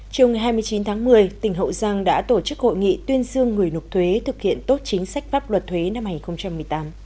trong ngày hai mươi chín tháng một mươi tỉnh hậu giang đã tổ chức hội nghị tuyên dương người nộp thuế thực hiện tốt chính sách pháp luật thuế năm hai nghìn một mươi tám